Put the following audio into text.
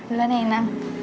duluan ya inna